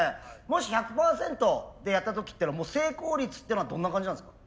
もし１００％でやった時っていうのは成功率っていうのはどんな感じなんですか？